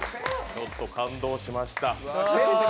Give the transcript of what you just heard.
ちょっと感動しました。